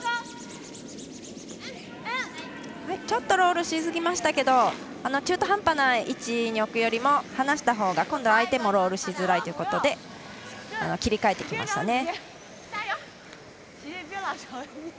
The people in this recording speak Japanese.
ちょっとロールしすぎましたが中途半端な位置に置くよりも離したほうが今度は相手もロールしづらいということで切り替えてきましたね。